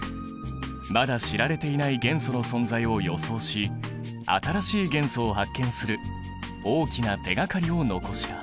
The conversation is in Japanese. まだ知られていない元素の存在を予想し新しい元素を発見する大きな手がかりを残した。